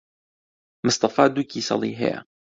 مستەفا دوو کیسەڵی ھەیە.